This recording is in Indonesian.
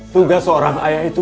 tugas seorang ayah itu